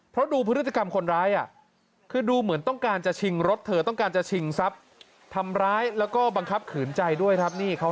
เพราะดูพฤติกรรมคนร้ายคือดูเหมือนต้องการจะชิงรถเธอต้องการจะชิงทรัพย์ทำร้ายแล้วก็บังคับขืนใจด้วยครับ